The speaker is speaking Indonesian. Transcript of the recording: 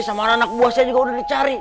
sama anak anak buah saya juga udah dicari